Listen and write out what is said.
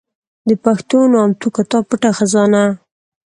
د پښتو نامتو کتاب پټه خزانه